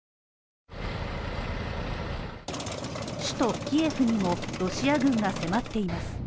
首都キエフにも、ロシア軍が迫っています。